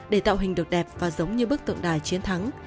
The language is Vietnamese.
để tạo hình được đẹp và giống như bức tượng đài chiến thắng